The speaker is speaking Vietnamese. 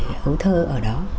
tuổi ấu thơ ở đó